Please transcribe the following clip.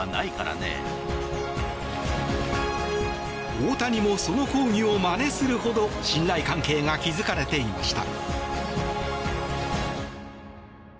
大谷もその抗議をまねするほど信頼関係が築かれていました。